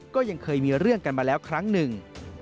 ก็ยังเคยมีเรื่องกันมาแล้วครั้งหนึ่ง